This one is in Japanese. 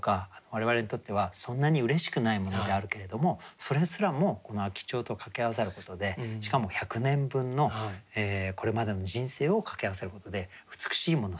我々にとってはそんなにうれしくないものであるけれどもそれすらもこの秋蝶と掛け合わさることでしかも百年分のこれまでの人生を掛け合わせることで美しいもの